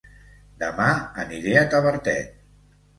Dema aniré a Tavertet